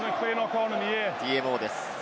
ＴＭＯです。